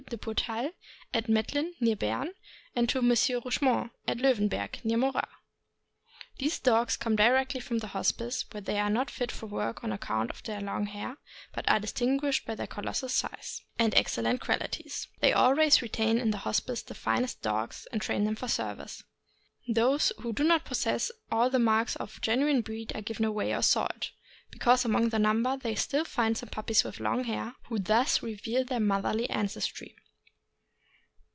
de Pourtaltjs, at Mett lin, near Berne, and to M. Rougemont, at Loewenberg, near Morat. These dogs come directly from the Hospice, where they are not fit for work on account of their long hair, but are distinguished by their colossal size and ROUGH COATED ST. BERNARD— SIR BED1VERE. excellent qualities. They always retain in the Hospice the finest dogs, and train them for service; those who do not possess all the marks of genuine breed are given away or sold, because among the number they still find some pup pies with long hair, who thus reveal their motherly ancestry.